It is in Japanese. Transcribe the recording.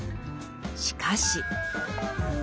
しかし。